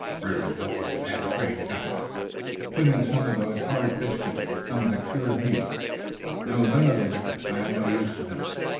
Murder is always a bad trade, captain. Put in some of those hard biscuits, and some of the cured meats. No, none of the liquors, I have no use for them.